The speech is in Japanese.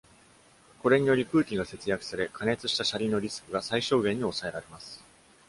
これにより空気が節約され、過熱した車輪のリスクが最小限に抑えられます。